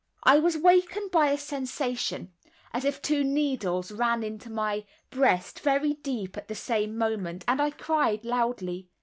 I was wakened by a sensation as if two needles ran into my breast very deep at the same moment, and I cried loudly.